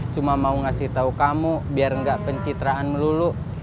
cuma mau ngasih tau kamu biar gak pencitraan melulu